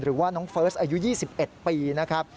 หรือว่าน้องเฟิร์สอายุ๒๑ปีนะครับ